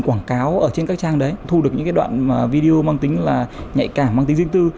báo ở trên các trang đấy thu được những cái đoạn mà video mang tính là nhạy cảm mang tính riêng tư